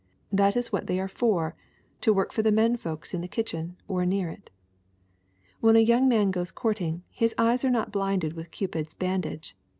That is what they are for to work for the men folks in the kitchen or near it. "When a young man goes courting, his eyes are not blinded with Cupid's bandage.